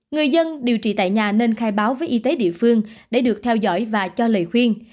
người dân điều trị tại nhà nên khai báo với y tế địa phương để được theo dõi và cho lời khuyên